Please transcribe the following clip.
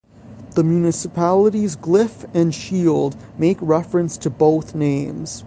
The municipality's glyph and shield make reference to both names.